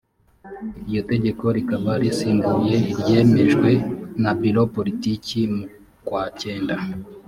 iryotegeko rikaba risimbuye iryemejwe na biro politiki mukwacyenda